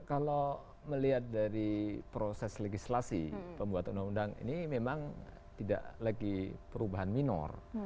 kalau melihat dari proses legislasi pembuat undang undang ini memang tidak lagi perubahan minor